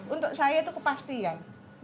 untuk saya itu kepastian